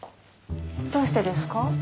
どうしてですか？